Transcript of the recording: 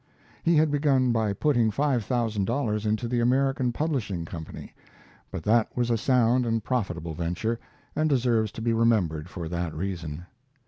He had begun by putting five thousand dollars into the American Publishing Company; but that was a sound and profitable venture, and deserves to be remembered for that reason.